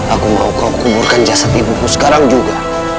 aku mau kau kuburkan jasad ibu ku sekarang juga